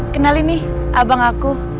kenalin nih abang aku